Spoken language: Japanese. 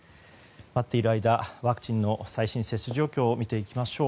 待っている間ワクチンの最新接種状況を見ていきましょう。